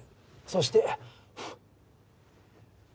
そして。